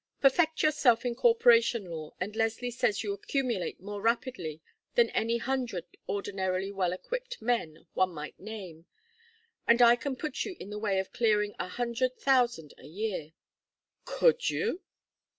Perfect yourself in corporation law and Leslie says you accumulate more rapidly than any hundred ordinarily well equipped men one might name and I can put you in the way of clearing a hundred thousand a year." "Could you?"